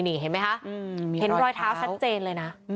นี่เห็นไหมคะเห็นรอยเท้าชัดเจนเลยนะ